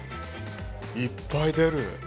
いっぱい出る。